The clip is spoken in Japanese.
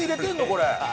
これ。